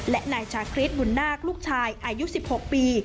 และนายชาคริสบุญนาคลูกชายอายุ๑๖ปี